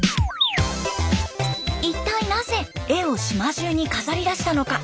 一体なぜ絵を島中に飾りだしたのか。